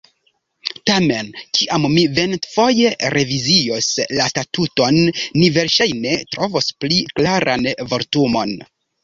Tamen, kiam ni venontfoje revizios la Statuton, ni verŝajne trovos pli klaran vortumon.